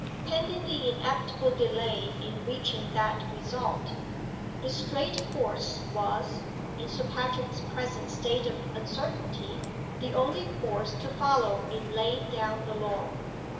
Pending the inevitable delay in reaching that result, the straight course was (in Sir Patrick's present state of uncertainty) the only course to follow in laying down the law.